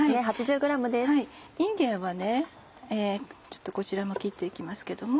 いんげんはこちらも切って行きますけども。